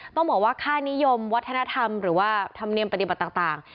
ต้องบอกว่าค่านิยมวัฒนธรรมหรือว่าธรรมเนียมปฏิบัติต่าง